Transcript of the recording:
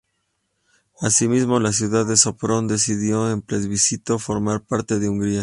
Asimismo, la ciudad de Sopron decidió en plebiscito formar parte de Hungría.